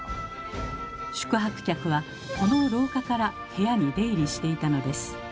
宿泊客はこの廊下から部屋に出入りしていたのです。